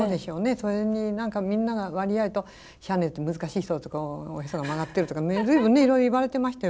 それに何かみんなが割合とシャネルって難しい人だとかおへそが曲がってるとか随分ねいろいろ言われてましたよ